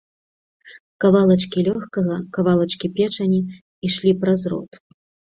Кавалачкі лёгкага, кавалачкі печані ішлі праз рот.